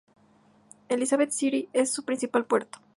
Elizabeth City es su principal puerto.